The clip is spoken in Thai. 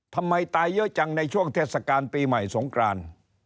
ทำไมตายเยอะจังในช่วงเทศกาลปีใหม่สงกราน